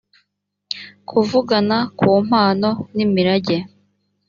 kuvugana ku mpano n imirage